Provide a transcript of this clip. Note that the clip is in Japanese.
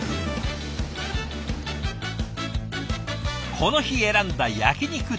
この日選んだ焼肉定食。